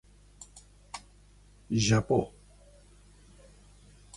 Japó.